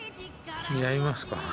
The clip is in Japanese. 似合いますか？